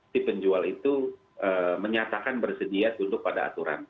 si penjual itu menyatakan bersedia tunduk pada aturan